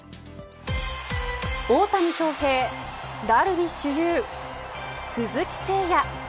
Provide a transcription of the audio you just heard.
大谷翔平、ダルビッシュ有鈴木誠也。